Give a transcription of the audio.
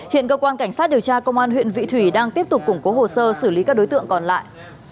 hiện cơ quan cảnh sát điều tra công an huyện vị thủy đang tiếp tục củng cố hồ sơ xử lý các đối tượng còn lại